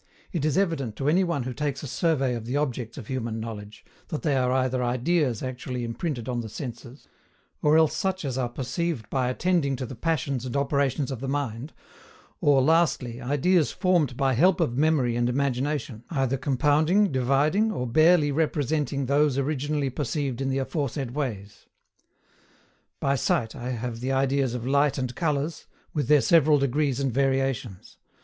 It is evident to any one who takes a survey of the objects of human knowledge, that they are either IDEAS actually imprinted on the senses; or else such as are perceived by attending to the passions and operations of the mind; or lastly, ideas formed by help of memory and imagination either compounding, dividing, or barely representing those originally perceived in the aforesaid ways. By sight I have the ideas of light and colours, with their several degrees and variations.